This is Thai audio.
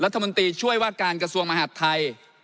รัฐมนตรีช่วยว่าการกระทรวงมหาดไทย